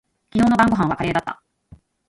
昨日の晩御飯はカレーだった。